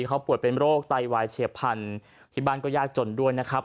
เขาป่วยเป็นโรคไตวายเฉียบพันธุ์ที่บ้านก็ยากจนด้วยนะครับ